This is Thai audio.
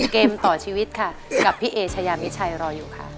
เกมต่อชีวิตค่ะกับพี่เอชายามิชัยรออยู่ค่ะ